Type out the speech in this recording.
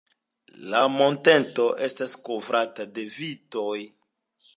La monteto estas kovrata de vitoj.